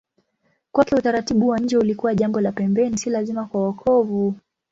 Kwake utaratibu wa nje ulikuwa jambo la pembeni, si lazima kwa wokovu.